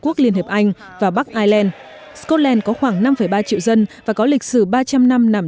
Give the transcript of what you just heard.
quốc liên hiệp anh và bắc ireland scotland có khoảng năm ba triệu dân và có lịch sử ba trăm linh năm nằm